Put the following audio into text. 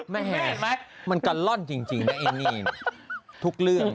มันนี่มันกันร่อนจริงนะกลับอยู่ทุกเรื่อง